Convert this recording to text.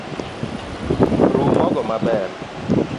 Ru mogo maber